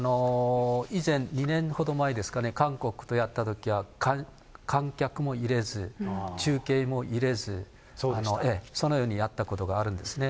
以前、２年ほど前ですかね、韓国とやったときは、観客も入れず、中継も入れず、そのようにやったことがあるんですね。